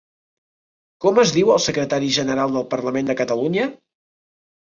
Com es diu el secretari general del Parlament de Catalunya?